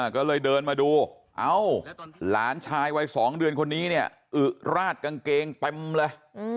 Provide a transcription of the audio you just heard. ก็เลยเดินมาดูเอ้าหลานชายวัย๒เดือนคนนี้เนี่ยอึราดกางเกงเต็มเลย